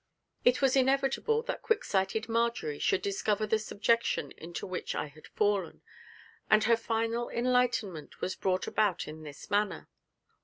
It was inevitable that quick sighted Marjory should discover the subjection into which I had fallen, and her final enlightenment was brought about in this manner.